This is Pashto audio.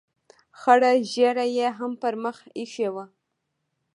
خړه ږیره یې هم پر مخ اېښې وه.